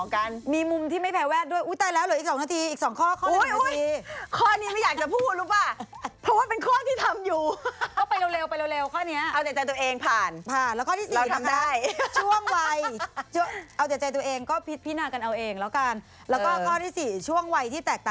คุณเจี๊ยบบอกว่า